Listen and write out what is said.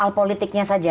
soal politiknya saja